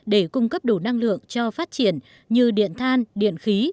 để cung cấp đủ năng lượng cho phát triển như điện than điện khí